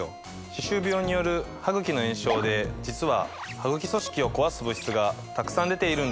歯周病によるハグキの炎症で実はハグキ組織を壊す物質がたくさん出ているんです。